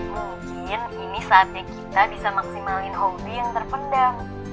mungkin ini saatnya kita bisa maksimalin hobi yang terpendam